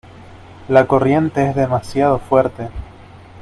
la corriente es demasiado fuerte.